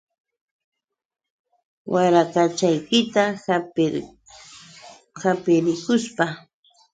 Warakachaykita hapirikushpa.